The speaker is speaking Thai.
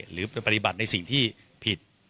หรือเป็นปฏิบัติในสิ่งที่ผิด